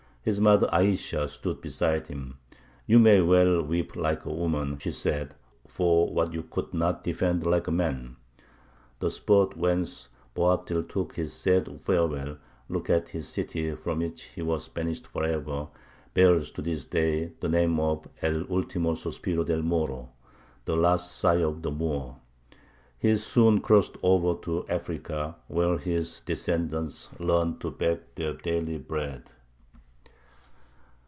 His mother Ayesha stood beside him: "You may well weep like a woman," she said, "for what you could not defend like a man." The spot whence Boabdil took his sad farewell look at his city from which he was banished for ever, bears to this day the name of el ultimo sospiro del Moro, "the last sigh of the Moor." He soon crossed over to Africa, where his descendants learned to beg their daily bread.